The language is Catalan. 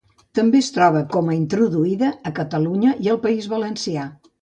També es troba, com introduïda, a Catalunya i el País Valencià.